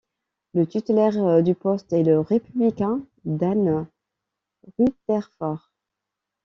Le titulaire du poste est le républicain Dan Rutherford.